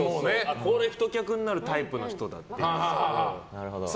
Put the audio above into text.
これ、太客になるタイプの人だっていうね。